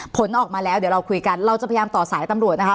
ผลออกมาแล้วเดี๋ยวเราคุยกันเราจะพยายามต่อสายตำรวจนะคะ